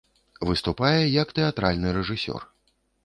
Выступае і як тэатральны рэжысёр.